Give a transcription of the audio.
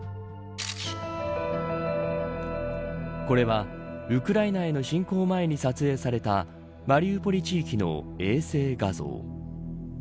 これは、ウクライナへの侵攻前に撮影されたマリウポリ地域の衛星画像。